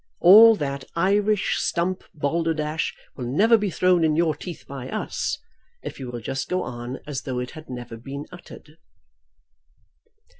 All that Irish stump balderdash will never be thrown in your teeth by us, if you will just go on as though it had never been uttered."